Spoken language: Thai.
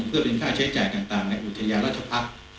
เพื่อเป็นค่าใช้จ่ายต่างในอุทยานราชพักษ์